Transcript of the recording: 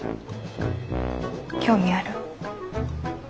興味ある？